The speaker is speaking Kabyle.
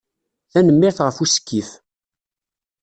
Tanemmirt ɣef usekkif.